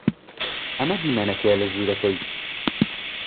ئەمە دیمەنەکەیە لە ژوورەکەی.